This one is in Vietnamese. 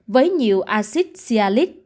với nhiều acid sialic